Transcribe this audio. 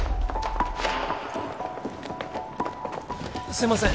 すいません。